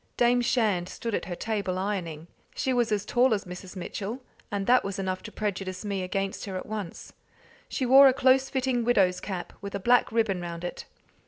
Dame Shand stood at her table ironing. She was as tall as Mrs. Mitchell, and that was enough to prejudice me against her at once. She wore a close fitting widow's cap, with a black ribbon round it.